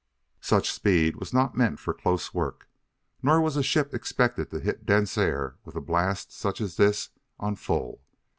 Such speed was not meant for close work; nor was a ship expected to hit dense air with a blast such as this on full.